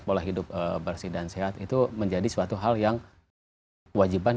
pola hidup bersih dan sehat itu menjadi suatu hal yang wajiban